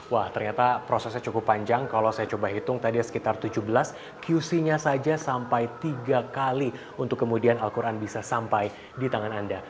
wah ternyata prosesnya cukup panjang kalau saya coba hitung tadi sekitar tujuh belas qc nya saja sampai tiga kali untuk kemudian al quran bisa sampai di tangan anda